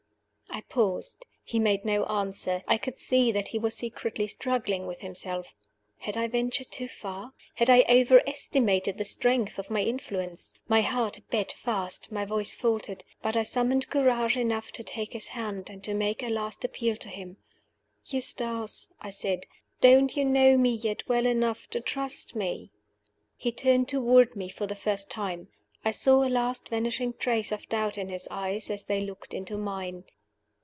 I paused. He made no answer: I could see that he was secretly struggling with himself. Had I ventured too far? Had I overestimated the strength of my influence? My heart beat fast, my voice faltered but I summoned courage enough to take his hand, and to make a last appeal to him. "Eustace," I said; "don't you know me yet well enough to trust me?" He turned toward me for the first time. I saw a last vanishing trace of doubt in his eyes as they looked into mine.